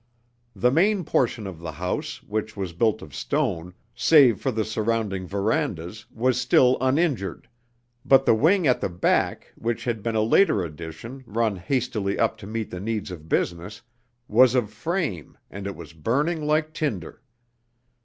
The main portion of the house, which was built of stone, save for the surrounding verandahs was still uninjured, but the wing at the back, which had been a later addition, run hastily up to meet the needs of business, was of frame, and it was burning like tinder.